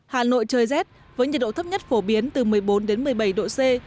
hà nội trời rét với nhiệt độ thấp nhất phổ biến từ một mươi bốn đến một mươi bảy độ c